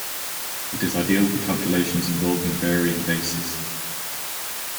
It is ideal for calculations involving varying bases.